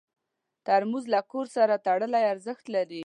ترموز له کور سره تړلی ارزښت لري.